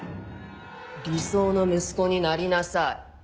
理想の息子になりなさい。